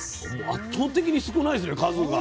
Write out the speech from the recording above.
圧倒的に少ないですね数が。